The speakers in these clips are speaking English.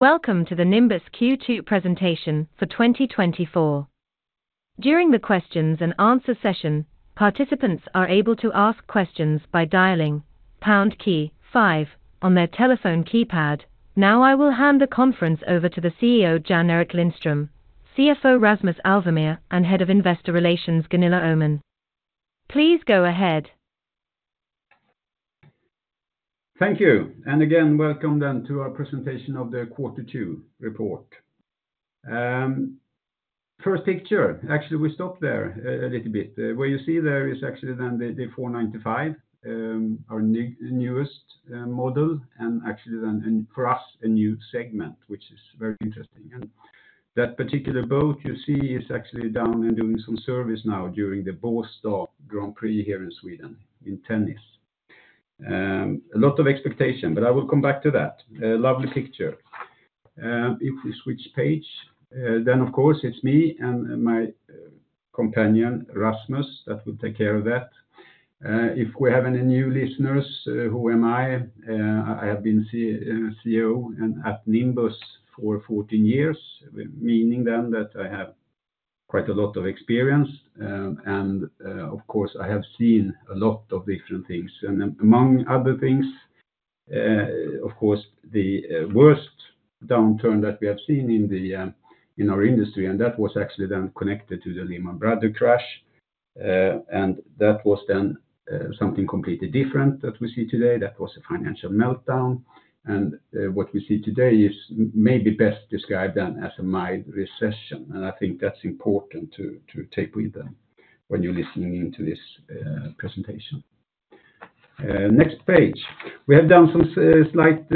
Welcome to the Nimbus Q2 Presentation for 2024. During the question-and-answer session, participants are able to ask questions by dialing pound key five on their telephone keypad. Now, I will hand the conference over to the CEO, Jan-Erik Lindström, CFO, Rasmus Alvemyr, and Head of Investor Relations, Gunilla Öhman. Please go ahead. Thank you. Again, welcome then to our presentation of the Q2 report. First picture, actually, we stopped there a little bit. What you see there is actually then the 495, our new, newest model, and actually then, and for us, a new segment, which is very interesting. And that particular boat you see is actually down and doing some service now during the Båstad Grand Prix here in Sweden, in tennis. A lot of expectation, but I will come back to that. Lovely picture. If we switch page, then, of course, it's me and my companion, Rasmus, that will take care of that. If we have any new listeners, who am I? I have been CEO at Nimbus for 14 years, meaning then that I have quite a lot of experience. Of course, I have seen a lot of different things. Among other things, of course, the worst downturn that we have seen in our industry, and that was actually then connected to the Lehman Brothers crash. And that was then something completely different that we see today. That was a financial meltdown. And what we see today is maybe best described then as a mild recession, and I think that's important to take with them when you're listening to this presentation. Next page. We have done some slight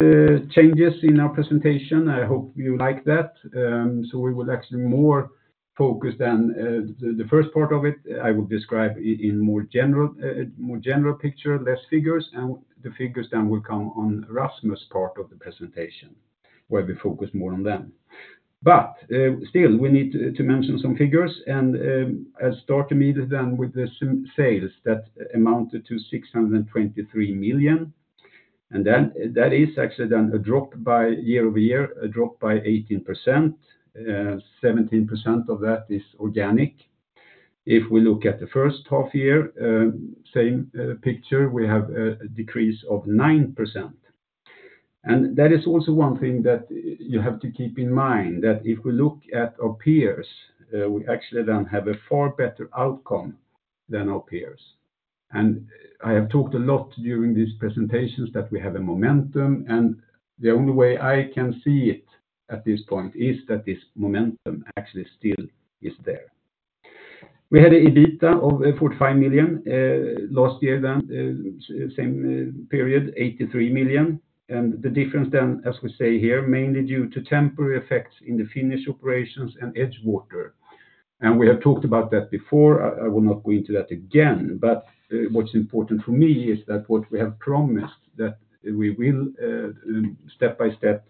changes in our presentation. I hope you like that. So we will actually more focus then the first part of it, I will describe in more general picture, less figures, and the figures then will come on Rasmus part of the presentation, where we focus more on them. But still, we need to mention some figures, and I'll start immediately then with the sales that amounted to 623 million, and then that is actually then a drop by year-over-year, a drop by 18%. 17% of that is organic. If we look at the first half year, same picture, we have a decrease of 9%. And that is also one thing that you have to keep in mind, that if we look at our peers, we actually then have a far better outcome than our peers. I have talked a lot during these presentations that we have a momentum, and the only way I can see it at this point is that this momentum actually still is there. We had an EBITDA of 45 million last year, then same period, 83 million. The difference then, as we say here, mainly due to temporary effects in the Finnish operations and EdgeWater. We have talked about that before. I will not go into that again, but what's important for me is that what we have promised, that we will step by step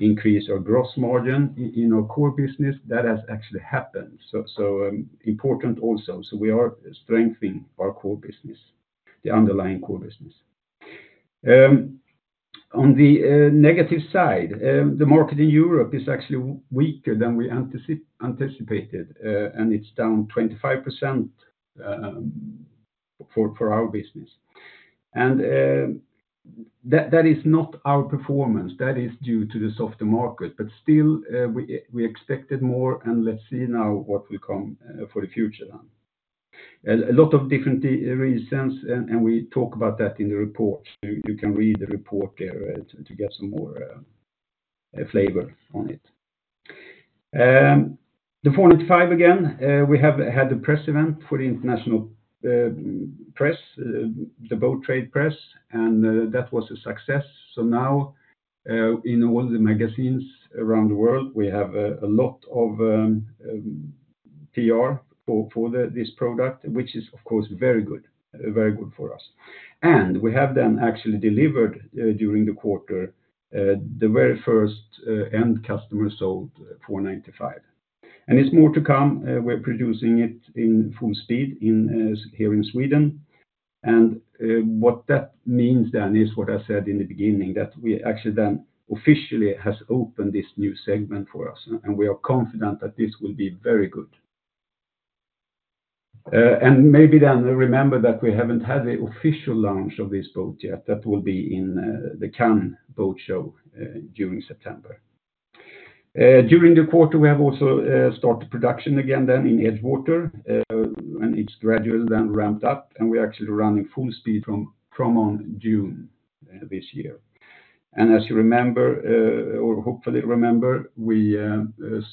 increase our gross margin in our core business, that has actually happened. So important also, so we are strengthening our core business, the underlying core business. On the negative side, the market in Europe is actually weaker than we anticipated, and it's down 25% for our business. That is not our performance, that is due to the softer market, but still, we expected more, and let's see now what will come for the future then. A lot of different reasons, and we talk about that in the report. You can read the report there to get some more flavor on it. The 495 again, we have had a press event for the international press, the boat trade press, and that was a success. So now, in all the magazines around the world, we have a lot of PR for this product, which is, of course, very good, very good for us. And we have then actually delivered, during the quarter, the very first end customer sold 495. And it's more to come, we're producing it in full speed here in Sweden. And what that means then is what I said in the beginning, that we actually then officially has opened this new segment for us, and we are confident that this will be very good. And maybe then remember that we haven't had the official launch of this boat yet. That will be in the Cannes Boat Show during September. During the quarter, we have also started production again then in EdgeWater, and it's gradually then ramped up, and we're actually running full speed from on June this year. And as you remember, or hopefully remember, we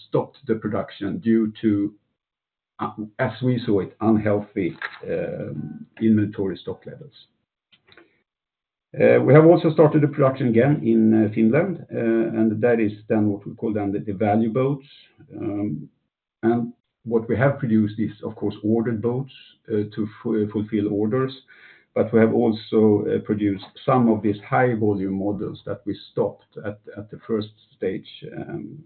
stopped the production due to, as we saw it, unhealthy inventory stock levels. We have also started the production again in Finland, and that is then what we call then the value boats. And what we have produced is, of course, ordered boats to fulfill orders, but we have also produced some of these high-volume models that we stopped at the first stage,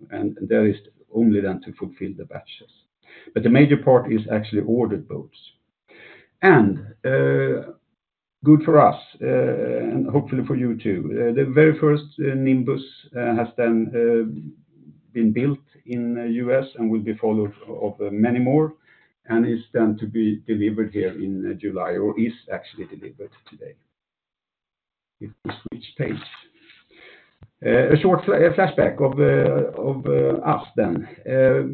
and that is only then to fulfill the batches. But the major part is actually ordered boats. And good for us, and hopefully for you, too. The very first Nimbus has then been built in the U.S. and will be followed of many more, and is then to be delivered here in July, or is actually delivered today. If we switch page. A short flashback of us then.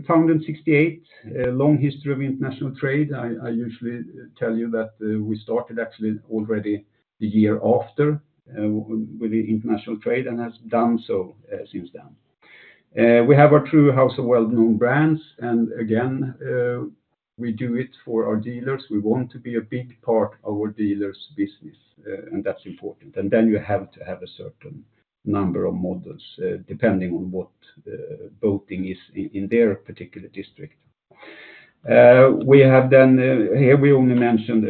Founded in 1968, a long history of international trade. I usually tell you that we started actually already the year after with the international trade, and has done so since then. We have our true house of well-known brands, and again, we do it for our dealers. We want to be a big part of our dealers' business, and that's important. And then you have to have a certain number of models depending on what boating is in their particular district. We have then here we only mentioned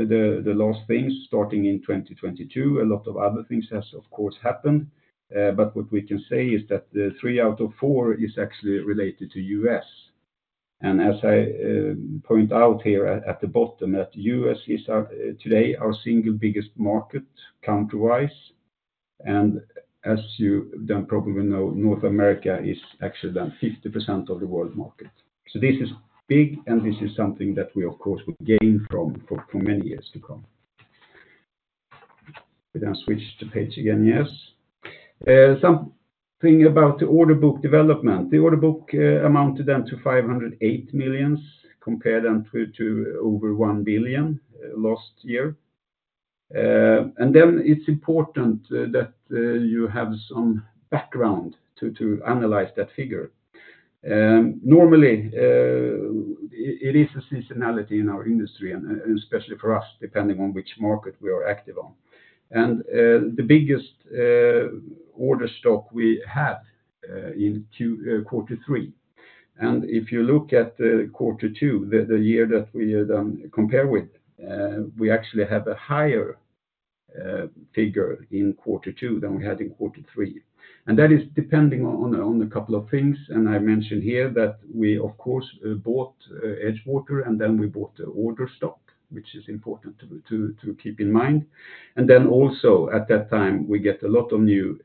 the last things starting in 2022. A lot of other things has, of course, happened, but what we can say is that the three out of four is actually related to U.S. And as I point out here at the bottom, that U.S. is our today our single biggest market country-wise. And as you then probably know, North America is actually then 50% of the world market. So this is big, and this is something that we, of course, will gain from for many years to come. We then switch to page again, yes. Something about the order book development. The order book amounted then to 508 million, compared then to over 1 billion last year. And then it's important that you have some background to analyze that figure. Normally, it is a seasonality in our industry, and especially for us, depending on which market we are active on. And the biggest order book we had in quarter three, and if you look at quarter two, the year that we compare with, we actually have a higher figure in quarter two than we had in quarter three. And that is depending on a couple of things, and I mentioned here that we, of course, bought EdgeWater, and then we bought the order book, which is important to keep in mind. And then also, at that time, we get a lot of new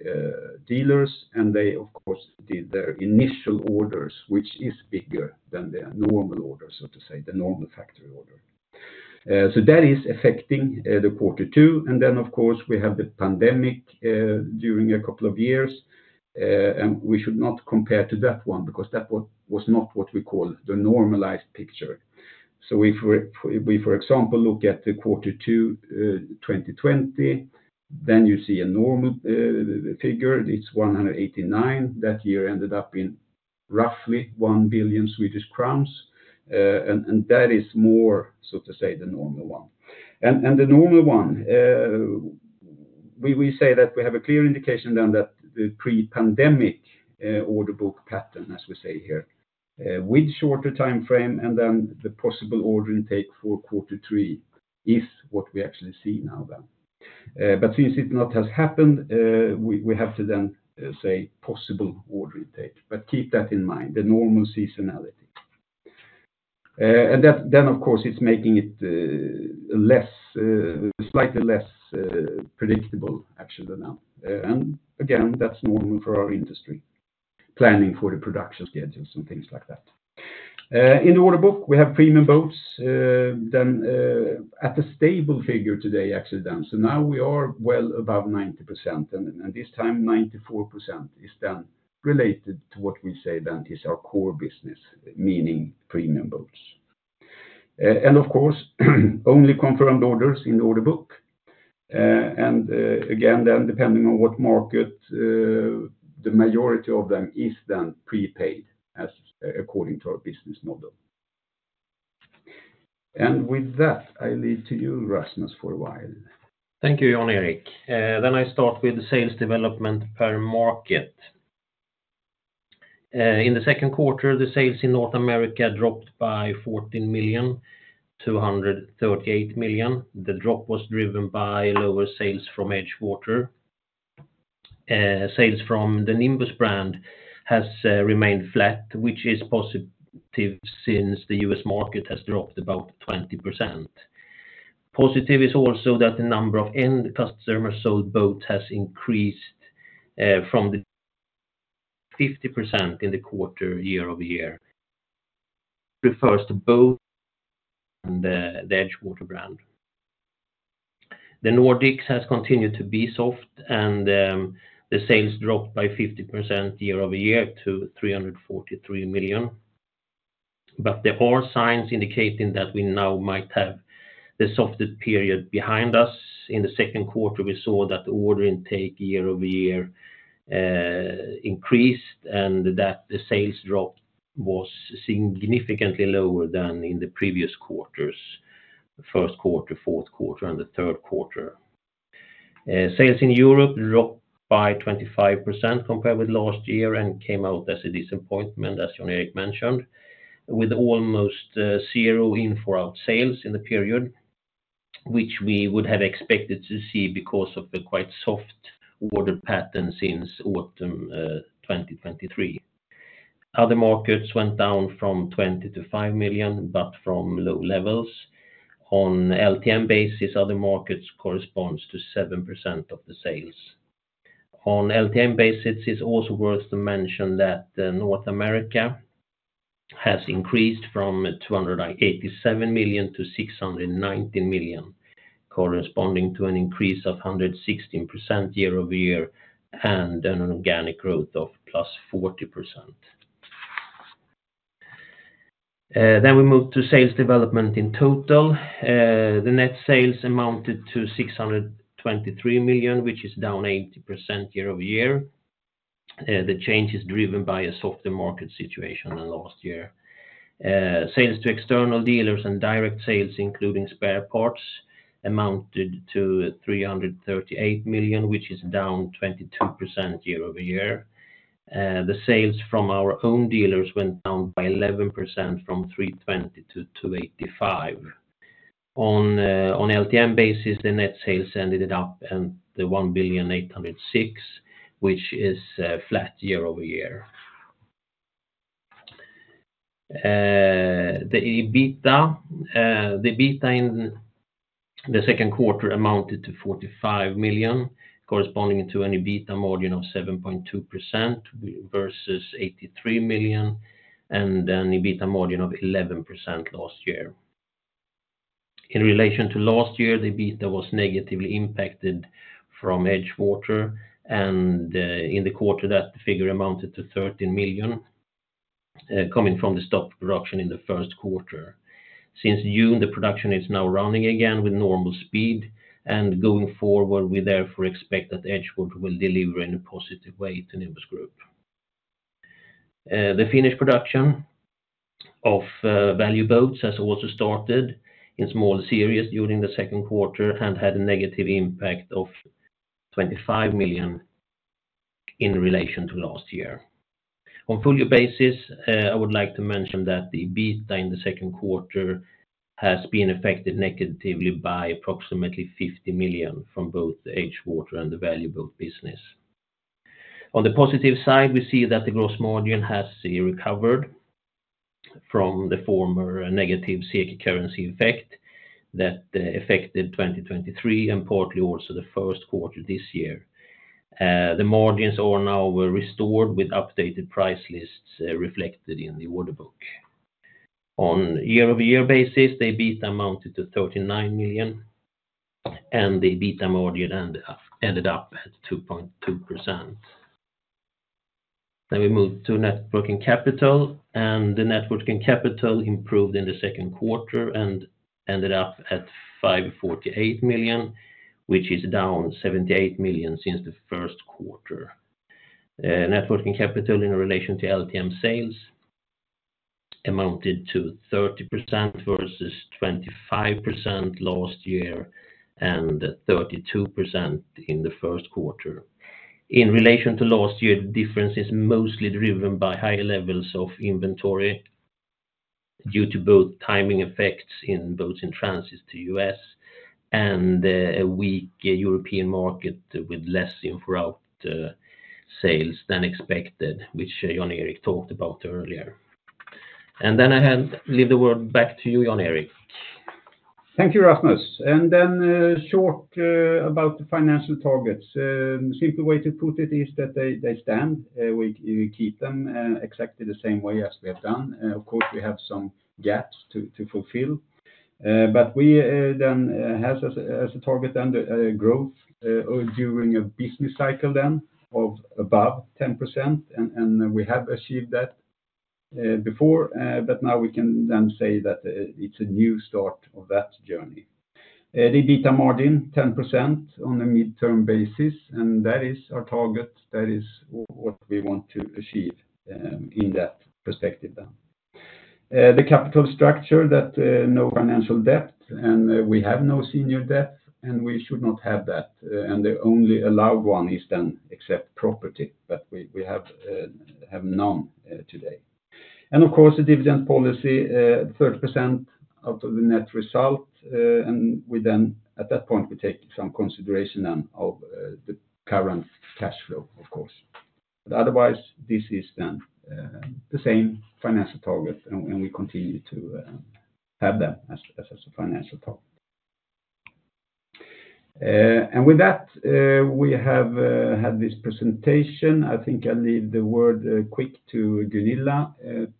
dealers, and they, of course, did their initial orders, which is bigger than their normal order, so to say, the normal factory order. So that is affecting the quarter two, and then, of course, we have the pandemic during a couple of years, and we should not compare to that one, because that one was not what we call the normalized picture. So if we, for example, look at the quarter two 2020, then you see a normal figure. It's 189. That year ended up being roughly 1 billion Swedish crowns, and that is more, so to say, the normal one. The normal one, we say that we have a clear indication then that the pre-pandemic order book pattern, as we say here, with shorter timeframe and then the possible order intake for quarter three, is what we actually see now then. But since it not has happened, we have to then say possible order intake. But keep that in mind, the normal seasonality. And that, then, of course, it's making it less, slightly less predictable actually than now. And again, that's normal for our industry, planning for the production schedules and things like that. In the order book, we have premium boats, then at a stable figure today, actually then. So now we are well above 90%, and this time, 94% is then related to what we say then is our core business, meaning premium boats. And of course, only confirmed orders in the order book. And again, then depending on what market, the majority of them is then prepaid as, according to our business model. And with that, I leave to you, Rasmus, for a while. Thank you, Jan-Erik. Then I start with the sales development per market. In the second quarter, the sales in North America dropped by 14 million, to 138 million. The drop was driven by lower sales from EdgeWater. Sales from the Nimbus brand has remained flat, which is positive, since the U.S. market has dropped about 20%. Positive is also that the number of end customer sold boats has increased from the 50% in the quarter, year-over-year. Refers to both the EdgeWater brand. The Nordics has continued to be soft, and the sales dropped by 50% year-over-year to 343 million. But there are signs indicating that we now might have the softest period behind us. In the second quarter, we saw that order intake year-over-year increased, and that the sales drop was significantly lower than in the previous quarters, the first quarter, fourth quarter, and the third quarter. Sales in Europe dropped by 25% compared with last year and came out as a disappointment, as Jan-Erik mentioned, with almost zero in for our sales in the period, which we would have expected to see because of the quite soft order pattern since autumn 2023. Other markets went down from 20 million-5 million, but from low levels. On LTM basis, other markets corresponds to 7% of the sales. On LTM basis, it's also worth to mention that, North America has increased from 287 million-619 million, corresponding to an increase of 116% year-over-year, and an organic growth of +40%. Then we move to sales development in total. The net sales amounted to 623 million, which is down [80%] year-over-year. The change is driven by a softer market situation than last year. Sales to external dealers and direct sales, including spare parts, amounted to 338 million, which is down 22% year-over-year. The sales from our own dealers went down by 11% from 320-285. On LTM basis, the net sales ended up at 1,806, which is flat year-over-year. The EBITDA in the second quarter amounted to 45 million, corresponding to an EBITDA margin of 7.2% versus 83 million, and an EBITDA margin of 11% last year. In relation to last year, the EBITDA was negatively impacted from EdgeWater, and in the quarter, that figure amounted to 13 million, coming from the stopped production in the first quarter. Since June, the production is now running again with normal speed, and going forward, we therefore expect that EdgeWater will deliver in a positive way to Nimbus Group. The Finnish production of value boats has also started in small series during the second quarter and had a negative impact of 25 million in relation to last year. On full year basis, I would like to mention that the EBITDA in the second quarter has been affected negatively by approximately 50 million from both the EdgeWater and the value boat business. On the positive side, we see that the gross margin has recovered from the former negative currency effect that affected 2023, and partly also the first quarter this year. The margins are now restored with updated price lists, reflected in the order book. On year-over-year basis, the EBITDA amounted to 39 million, and the EBITDA margin ended up at 2.2%. Then we moved to net working capital, and the net working capital improved in the second quarter and ended up at 548 million, which is down 78 million since the first quarter. Net working capital in relation to LTM sales amounted to 30% versus 25% last year, and 32% in the first quarter. In relation to last year, the difference is mostly driven by high levels of inventory due to both timing effects in boats in transit to U.S. and a weak European market with less en route sales than expected, which Jan-Erik talked about earlier. Then I hand the word back to you, Jan-Erik. Thank you, Rasmus. And then, short, about the financial targets. Simple way to put it is that they stand, we keep them, exactly the same way as we have done. Of course, we have some gaps to fulfill, but we then has as a target, then, the growth during a business cycle then of above 10%, and we have achieved that, before, but now we can then say that, it's a new start of that journey. The EBITDA margin, 10% on a midterm basis, and that is our target. That is what we want to achieve, in that perspective then. The capital structure, that, no financial debt, and we have no senior debt, and we should not have that. The only allowed one is then except property, but we have none today. Of course, the dividend policy, 30% out of the net result, and we then, at that point, take some consideration then of the current cash flow, of course. But otherwise, this is then the same financial target, and we continue to have that as a financial target. And with that, we have had this presentation. I think I'll leave the floor quick to Gunilla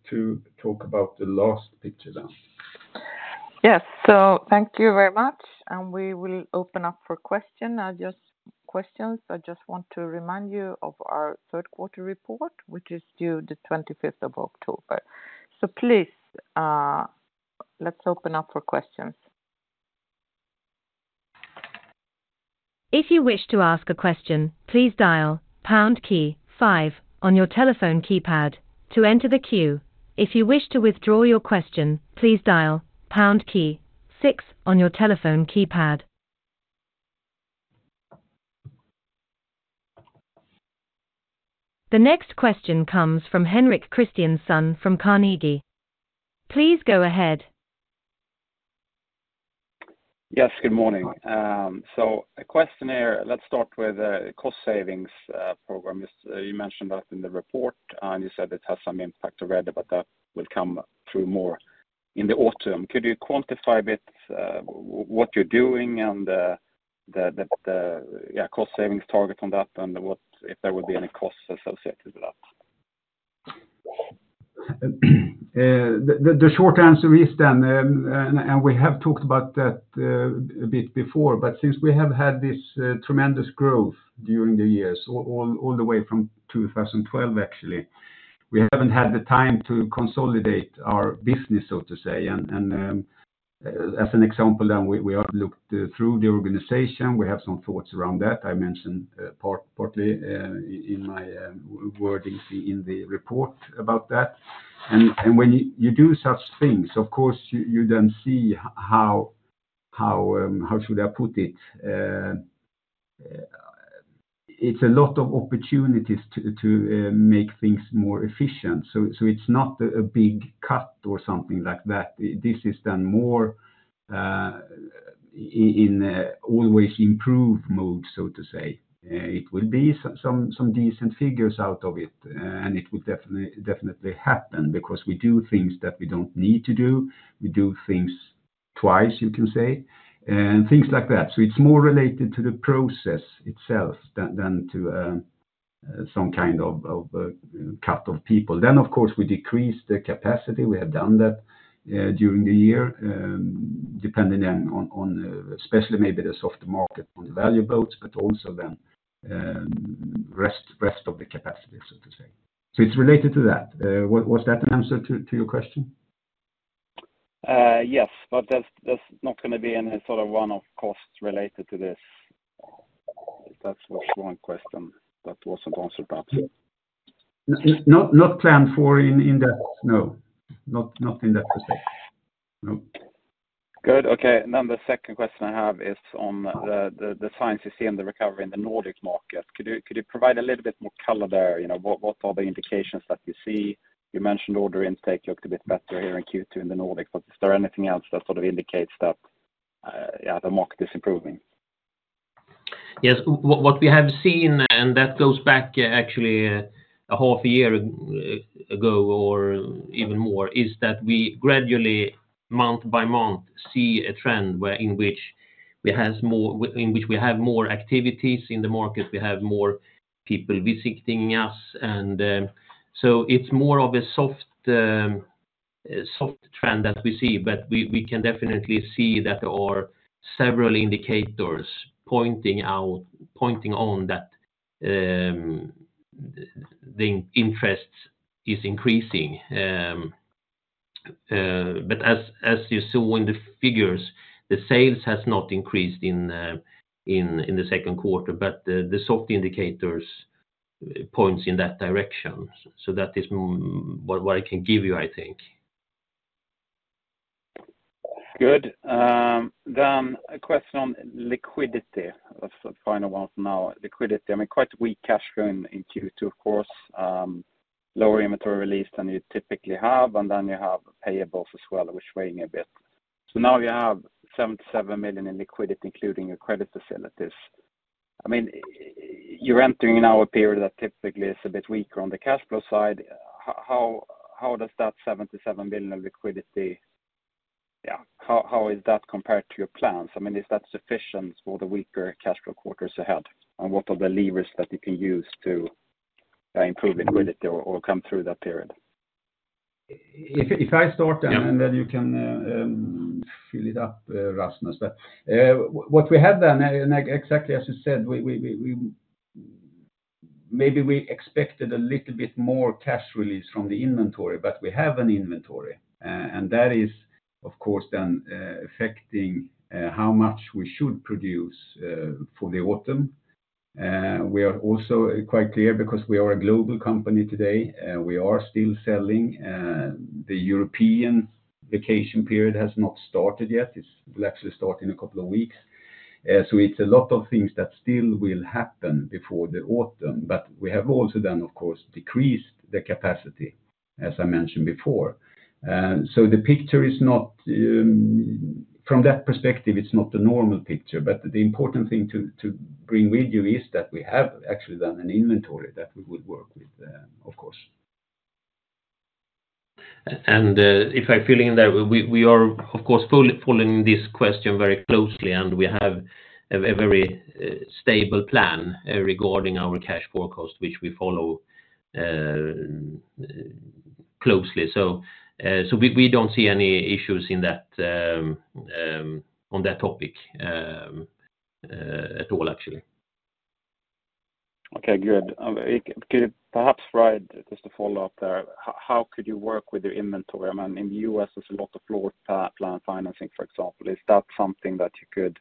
to talk about the last picture then. Yes. So thank you very much, and we will open up for questions. I just want to remind you of our third quarter report, which is due the 25th of October. So please, let's open up for questions. If you wish to ask a question, please dial pound key five on your telephone keypad to enter the queue. If you wish to withdraw your question, please dial pound key six on your telephone keypad. The next question comes from Henrik Christiansson from Carnegie. Please go ahead. Yes, good morning. So a question here, let's start with cost savings program. You mentioned that in the report, and you said it has some impact already, but that will come through more in the autumn. Could you quantify a bit what you're doing and the cost savings target on that, and what if there would be any costs associated with that? The short answer is then, and we have talked about that a bit before, but since we have had this tremendous growth during the years all the way from 2012, actually, we haven't had the time to consolidate our business, so to say. As an example, then we have looked through the organization. We have some thoughts around that. I mentioned partly in my wording in the report about that. When you do such things, of course, you then see how should I put it? It's a lot of opportunities to make things more efficient. So it's not a big cut or something like that. This is then more in a always improve mode, so to say. It will be some decent figures out of it, and it will definitely, definitely happen because we do things that we don't need to do. We do things twice, you can say, and things like that. So it's more related to the process itself than to some kind of cut of people. Then, of course, we decrease the capacity. We have done that during the year, depending on, especially maybe the soft market on the value boats, but also then rest of the capacity, so to say. So it's related to that. Was that an answer to your question? Yes, but there's not gonna be any sort of one-off costs related to this. That was one question that wasn't answered, but- Not planned for in that, no. Not in that respect. No. Good. Okay, then the second question I have is on the signs you see in the recovery in the Nordic market. Could you provide a little bit more color there? You know, what are the indications that you see? You mentioned order intake looked a bit better here in Q2 in the Nordic, but is there anything else that sort of indicates that, yeah, the market is improving? Yes, what we have seen, and that goes back actually, a half a year ago or even more, is that we gradually, month by month, see a trend in which we have more activities in the market, we have more people visiting us. And, so it's more of a soft, soft trend that we see, but we can definitely see that there are several indicators pointing out, pointing on that, the interest is increasing. But as you saw in the figures, the sales has not increased in the second quarter, but the soft indicators points in that direction. So that is what I can give you, I think. Good. Then a question on liquidity. That's the final one for now. Liquidity, I mean, quite weak cash flow in, in Q2, of course, lower inventory release than you typically have, and then you have payables as well, which weighing a bit. So now you have 77 million in liquidity, including your credit facilities. I mean, you're entering now a period that typically is a bit weaker on the cash flow side. How, how does that 77 million of liquidity... Yeah, how, how is that compared to your plans? I mean, is that sufficient for the weaker cash flow quarters ahead? And what are the levers that you can use to improve liquidity or, or come through that period? If I start then. Yeah... And then you can fill it up, Rasmus. But what we have done, and exactly as you said, we maybe expected a little bit more cash release from the inventory, but we have an inventory, and that is, of course, then affecting how much we should produce for the autumn. We are also quite clear, because we are a global company today, we are still selling. The European vacation period has not started yet. It's will actually start in a couple of weeks. So it's a lot of things that still will happen before the autumn, but we have also then, of course, decreased the capacity, as I mentioned before. The picture is not from that perspective; it's not the normal picture, but the important thing to bring with you is that we have actually done an inventory that we would work with, of course. And, if I fill in there, we, we are, of course, fully following this question very closely, and we have a very stable plan regarding our cash forecast, which we follow closely. So, so we, we don't see any issues in that on that topic at all, actually. Okay, good. Could you perhaps provide, just to follow up there, how could you work with your inventory? I mean, in the U.S., there's a lot of floor plan financing, for example. Is that something that you could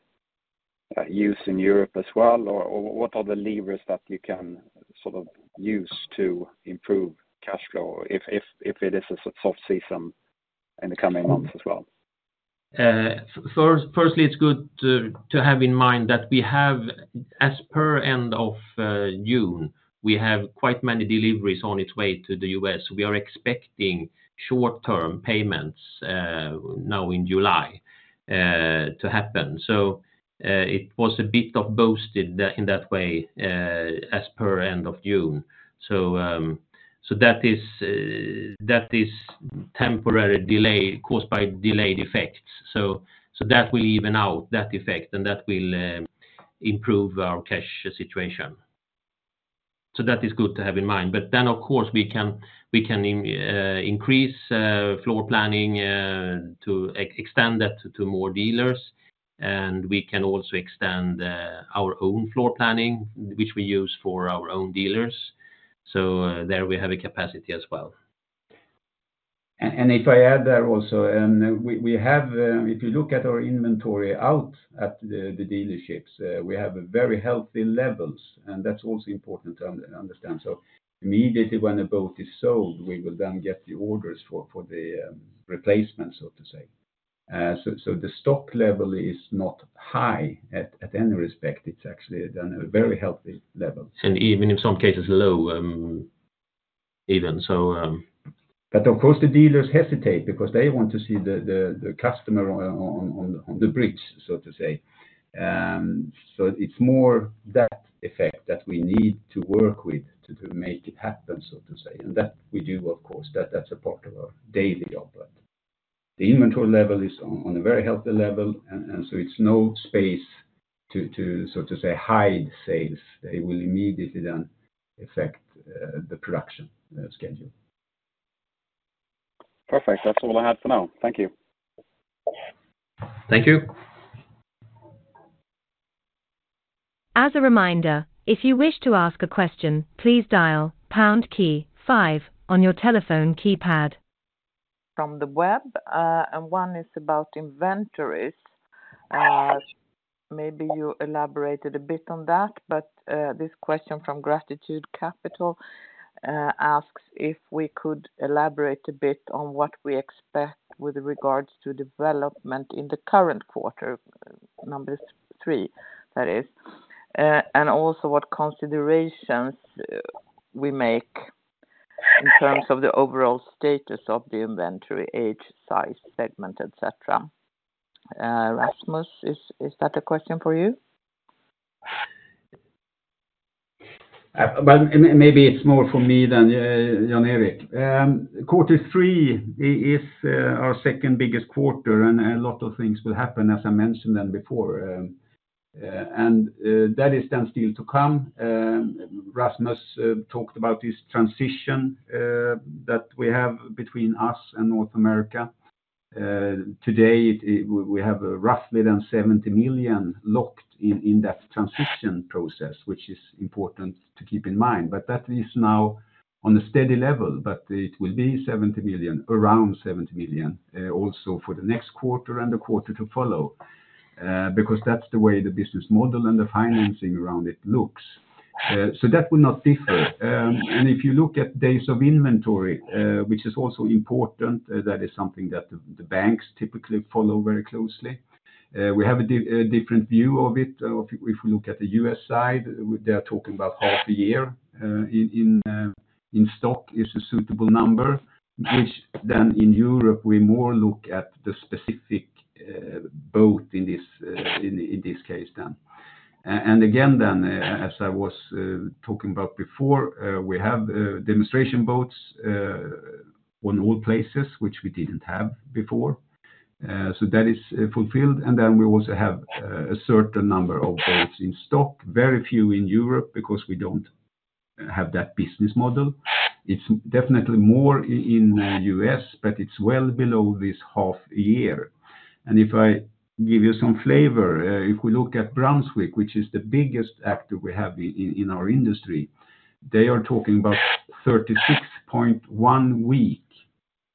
use in Europe as well? Or what are the levers that you can sort of use to improve cash flow if it is a soft season in the coming months as well? First, it's good to have in mind that we have, as per end of June, quite many deliveries on its way to the U.S. We are expecting short-term payments now in July to happen. So, it was a bit boosted in that way, as per end of June. So, that is a temporary delay caused by delayed effects. So, that will even out, that effect, and that will improve our cash situation. So that is good to have in mind. But then, of course, we can increase floor planning to extend that to more dealers, and we can also extend our own floor planning, which we use for our own dealers. So, there we have a capacity as well. If I add there also, we have, if you look at our inventory out at the dealerships, we have a very healthy levels, and that's also important to understand. So immediately when a boat is sold, we will then get the orders for the replacement, so to say. So the stock level is not high at any respect, it's actually then a very healthy level. And even in some cases low, even so. But of course, the dealers hesitate because they want to see the customer on the bridge, so to say. So it's more that effect that we need to work with to make it happen, so to say. And that we do, of course, that's a part of our daily job. But the inventory level is on a very healthy level, and so it's no space to, so to say, hide sales. It will immediately then affect the production schedule. Perfect. That's all I had for now. Thank you. Thank you. As a reminder, if you wish to ask a question, please dial pound key five on your telephone keypad. From the web, and one is about inventories. Maybe you elaborated a bit on that, but this question from Gratitude Capital asks if we could elaborate a bit on what we expect with regards to development in the current quarter three, that is. And also what considerations we make in terms of the overall status of the inventory, age, size, segment, et cetera. Rasmus, is that a question for you? But maybe it's more for me Jan-Erik. Quarter three is our second biggest quarter, and a lot of things will happen, as I mentioned them before. That is then still to come. Rasmus talked about this transition that we have between us and North America. Today, we have roughly 70 million locked in, in that transition process, which is important to keep in mind, but that is now on a steady level, but it will be 70 million, around 70 million, also for the next quarter and the quarter to follow, because that's the way the business model and the financing around it looks. So that will not differ. And if you look at days of inventory, which is also important, that is something that the banks typically follow very closely. We have a different view of it. If we look at the U.S. side, they are talking about half a year in stock is a suitable number, which then in Europe, we more look at the specific boat in this case then. And again, as I was talking about before, we have demonstration boats on all places, which we didn't have before. So that is fulfilled, and then we also have a certain number of boats in stock. Very few in Europe because we don't have that business model. It's definitely more in the U.S., but it's well below this half year. And if I give you some flavor, if we look at Brunswick, which is the biggest actor we have in our industry, they are talking about 36.1 weeks,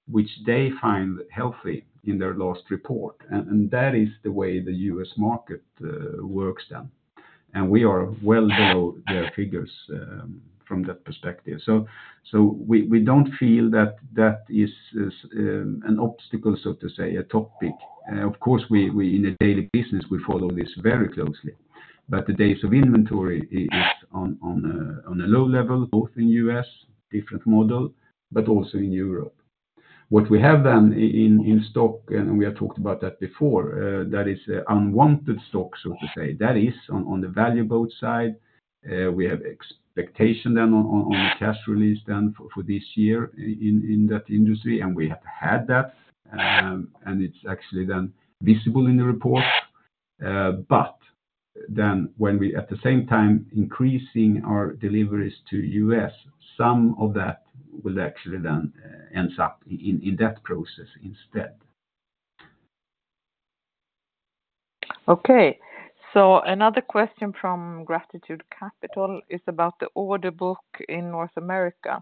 which they find healthy in their last report. And that is the way the U.S. market works then. And we are well below their figures from that perspective. So we don't feel that that is an obstacle, so to say, a topic. Of course, we in a daily business follow this very closely, but the days of inventory is on a low level, both in U.S., different model, but also in Europe. What we have then in stock, and we have talked about that before, that is unwanted stock, so to say. That is on the value boat side. We have expectation then on cash release then for this year in that industry, and we have had that, and it's actually then visible in the report. But then when we at the same time increasing our deliveries to U.S., some of that will actually then ends up in that process instead. Okay. So another question from Gratitude Capital is about the order book in North America,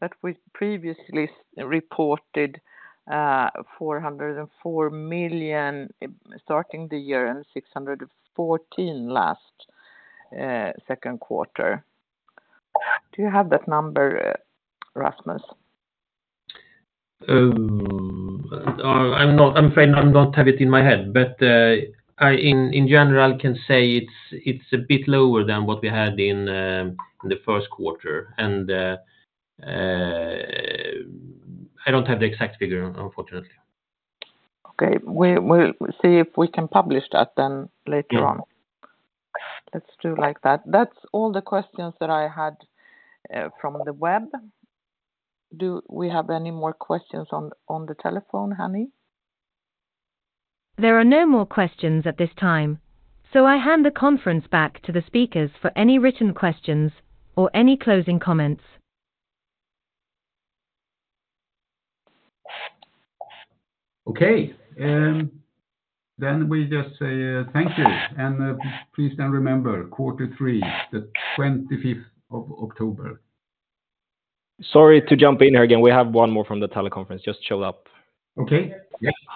that we previously reported, 404 million starting the year and 614 million last second quarter. Do you have that number, Rasmus? I'm afraid I don't have it in my head, but in general I can say it's a bit lower than what we had in the first quarter, and I don't have the exact figure, unfortunately. Okay. We'll see if we can publish that then later on. Yeah. Let's do like that. That's all the questions that I had from the web. Do we have any more questions on the telephone, Hani? There are no more questions at this time, so I hand the conference back to the speakers for any written questions or any closing comments. Okay, then we just say thank you, and please then remember quarter three, the 25th of October. Sorry to jump in here again. We have one more from the teleconference, just showed up. Okay.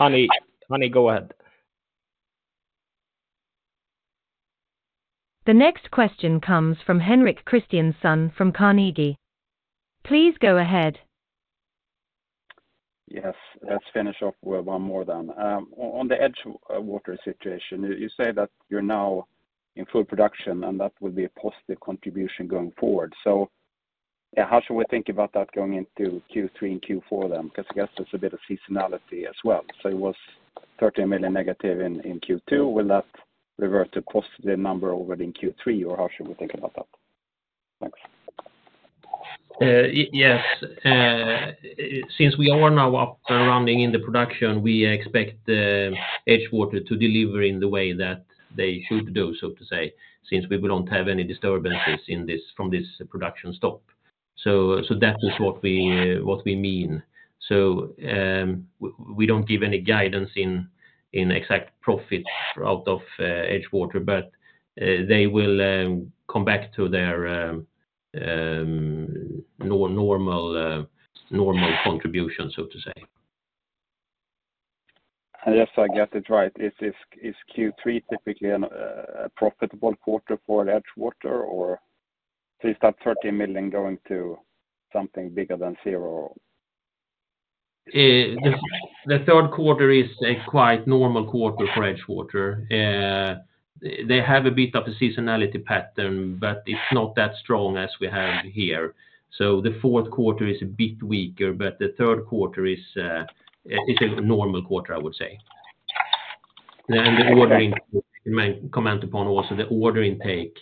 Hani, Hani, go ahead. The next question comes from Henrik Christiansson from Carnegie. Please go ahead. Yes, let's finish off with one more then. On the EdgeWater situation, you say that you're now in full production, and that will be a positive contribution going forward. So, yeah, how should we think about that going into Q3 and Q4 then? Because I guess there's a bit of seasonality as well. So it was -13 million in Q2. Will that revert to positive number over in Q3, or how should we think about that? Thanks. Yes, since we are now up and running in the production, we expect the EdgeWater to deliver in the way that they should do, so to say, since we don't have any disturbances in this from this production stop. So, that is what we mean. So, we don't give any guidance in exact profits out of EdgeWater, but they will come back to their normal contribution, so to say. Yes, I get it right. Is Q3 typically a profitable quarter for EdgeWater, or is that 13 million going to something bigger than zero? The third quarter is a quite normal quarter for EdgeWater. They have a bit of a seasonality pattern, but it's not that strong as we have here. So the fourth quarter is a bit weaker, but the third quarter is a normal quarter, I would say. Okay. The ordering, my comment upon also, the order intake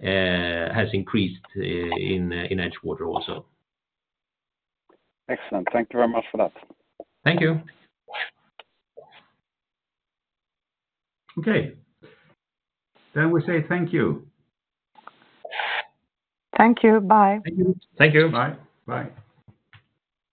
has increased in EdgeWater also. Excellent. Thank you very much for that. Thank you. Okay. Then we say thank you. Thank you. Bye. Thank you. Thank you. Bye. Bye.